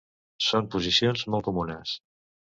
Són posicions molt comunes.